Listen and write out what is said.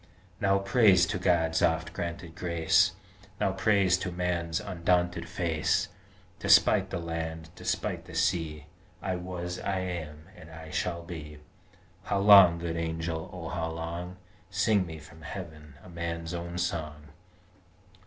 Now Praise to God's oft granted grace, Now Praise to Man's undaunted face, Despite the land, despite the sea, I was: I am: and I shall be How long, Good Angel, O how long? Sing me from Heaven a man's own song!